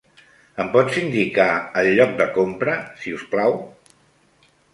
Em pots indicar el lloc de compra, si us plau?